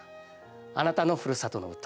「あなたのふるさとの唄」。